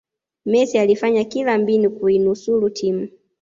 messi alifanya kila mbinu kuinusulu timu